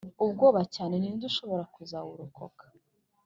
Ubwoba cyane ni nde ushobora kuzawurokoka